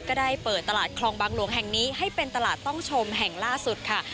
ก็ได้เปิดตลาดคลองบางหลวงแห่งนี้ให้เป็นตลาดต้องชมแห่งล่าสุดค่ะ